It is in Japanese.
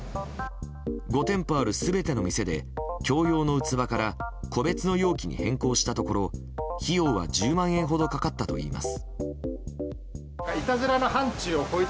５店舗ある全ての店で共用の器から個別の容器に変更したところ費用は１０万円ほどかかったといいます。